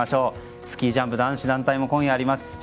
スキージャンプ男子団体も今夜、あります。